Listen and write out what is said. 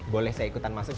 boleh saya ikutan mas romi